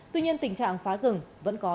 tuy nhiên tình trạng phá rừng vẫn có